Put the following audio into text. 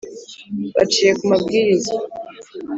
baciye ku mabwiriza,